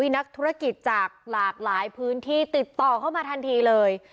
นักธุรกิจจากหลากหลายพื้นที่ติดต่อเข้ามาทันทีเลย